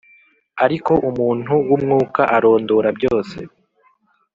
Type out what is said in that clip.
Ariko umuntu w'Umwuka arondora byose,